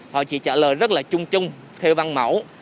họ chỉ trả lời rất là chung chung theo văn mẫu